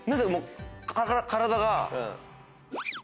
体が。